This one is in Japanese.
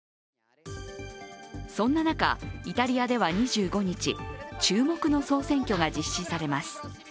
そんな中、イタリアでは２５日、注目の総選挙が実施されます。